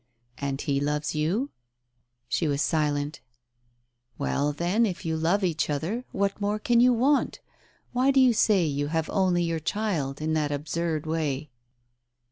"And he loves you?" She was silent. "Well, then, if you love each other, what more can you want ? Why do you say you have only your child in that absurd way